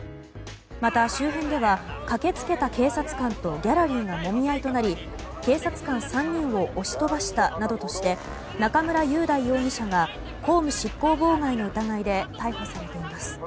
また、周辺では駆けつけた警察官とギャラリーがもみ合いとなり警察官３人を押し飛ばしたなどとして中村雄大容疑者が公務執行妨害の疑いで逮捕されています。